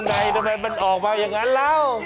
ทำไมมันออกมาอย่างนั้นแล้ว